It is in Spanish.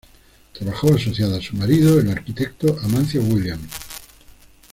Trabajó asociada a su marido el arquitecto Amancio Williams.